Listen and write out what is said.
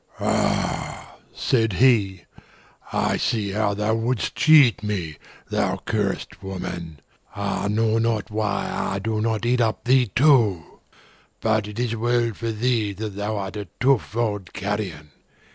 "Ah!" said he, "I see how thou would'st cheat me, thou cursed woman; I know not why I do not eat up thee too; but it is well for thee that thou art a tough old carrion.